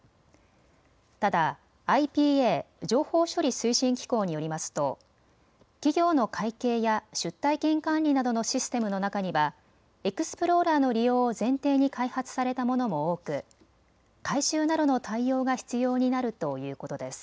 ただＩＰＡ・情報処理推進機構によりますと、企業の会計や出退勤管理などのシステムの中にはエクスプローラーの利用を前提に開発されたものも多く改修などの対応が必要になるということです。